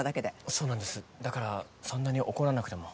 そうなんですだからそんなに怒らなくても。